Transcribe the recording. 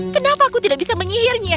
kenapa aku tidak bisa menyihirnya